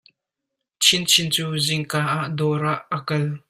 Chin Chin cu zingka ah dawr ah a kal.